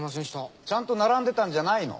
ちゃんと並んでたんじゃないの？